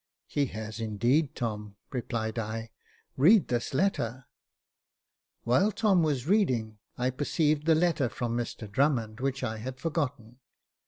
" He has indeed, Tom," replied I ;read this letter " While Tom was reading, I perceived the letter from Mr Drummond, which I had forgotten.